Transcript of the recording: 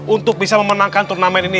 untuk bisa memenangkan turnamen ini